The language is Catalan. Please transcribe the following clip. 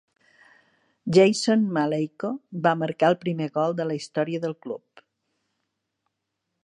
Jason Maleyko va marcar el primer gol de la història del club.